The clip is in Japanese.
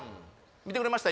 見てくれました？